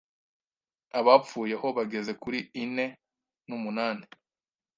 abapfuye ho bageze kuri ine numunani